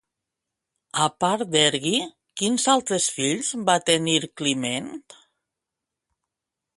A part d'Ergí, quins altres fills va tenir Climen?